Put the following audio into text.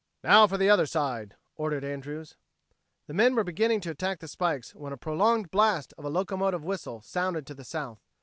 "Now for the other side," ordered Andrews. The men were beginning to attack the spikes when a prolonged blast of a locomotive whistle sounded to the south.